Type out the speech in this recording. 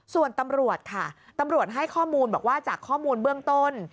ส่วนตำรวจค่ะตำรวจให้ข้อมูลบอกว่าจากข้อมูลเบื้องต้น